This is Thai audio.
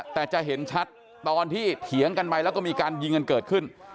แต่จะเห็นชัดตอนที่เถียงกันไปแล้วก็มีการยิงกันเกิดขึ้น